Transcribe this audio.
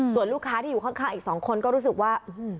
ส่วนลูกค้าที่อยู่ข้างอีกสองคนก็รู้สึกว่า